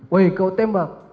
woy kau tembak